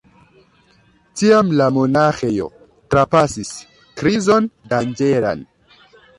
Tiam la monaĥejo trapasis krizon danĝeran.